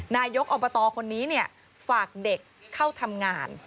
นายกอบตคนนี้ฝากเด็กเข้าทำงาน